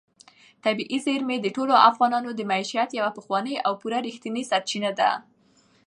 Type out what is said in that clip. طبیعي زیرمې د ټولو افغانانو د معیشت یوه پخوانۍ او پوره رښتینې سرچینه ده.